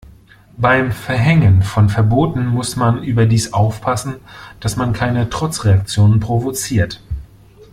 Beim Verhängen von Verboten muss man überdies aufpassen, dass man keine Trotzreaktionen provoziert.